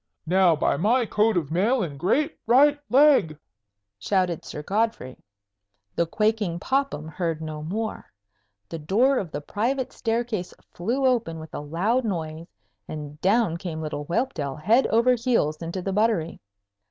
"Now, by my coat of mail and great right leg!" shouted Sir Godfrey. The quaking Popham heard no more. The door of the private staircase flew open with a loud noise, and down came little Whelpdale head over heels into the buttery.